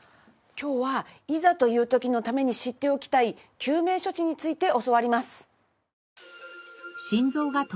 今日はいざという時のために知っておきたい救命処置について教わります。